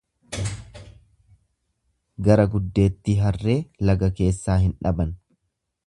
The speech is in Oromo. Gara guddeetti harree laga keessaa hin dhaban.